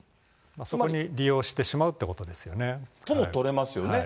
そこに利用してしまうということですよね。とも取れますよね。